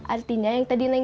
artinya yang tadi nameng bilang